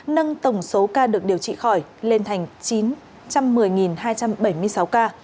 nâng tổng số ca được điều trị khỏi lên thành chín trăm một mươi hai trăm bảy mươi sáu ca